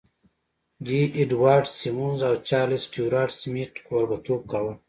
جې اډوارډ سيمونز او چارليس سټيوارټ سميت کوربهتوب کاوه.